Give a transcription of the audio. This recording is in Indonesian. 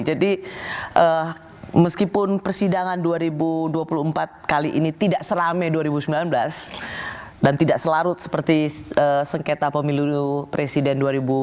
jadi meskipun persidangan dua ribu dua puluh empat kali ini tidak selame dua ribu sembilan belas dan tidak selarut seperti sengketa pemilu presiden dua ribu sembilan belas